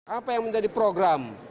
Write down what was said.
apa yang menjadi program